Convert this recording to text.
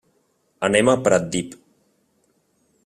Anem a Pratdip.